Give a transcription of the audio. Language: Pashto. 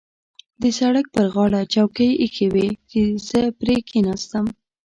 د سړک پر غاړه چوکۍ اېښې وې چې زه پرې کېناستم.